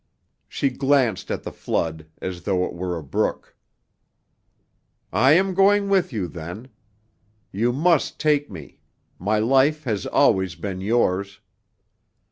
She glanced at the flood as though it were a brook. "I am going with you then. You must take me. My life has always been yours."